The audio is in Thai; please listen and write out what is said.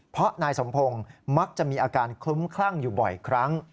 เพราะนายสมพงศ์มักจะมีอาการคลุ้มคลั่งอยู่บ่อยครั้ง